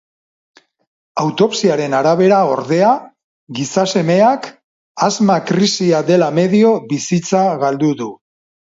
Autopsiaren arabera ordea, gizasemeak asma-krisia dela medio, bizitza galdu du.